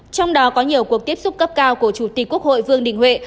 trong đó có nhiều cuộc tiếp xúc cấp cao của chủ tịch quốc hội vương đình huệ